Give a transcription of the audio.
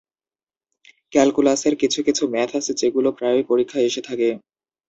ক্যালকুলাসের কিছু কিছু ম্যাথ আছে যেগুলো প্রায়ই পরীক্ষায় এসে থাকে।